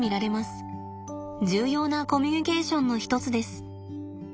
重要なコミュニケーションの一つです。